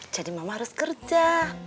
jadi mama harus kerja